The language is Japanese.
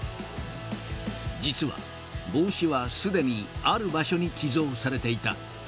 実は帽子はすでにある場所に寄贈されていた。